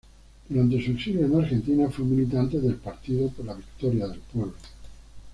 Durante su exilio en Argentina fue militante del Partido por la Victoria del Pueblo.